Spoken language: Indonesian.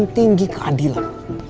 panjung tinggi keadilan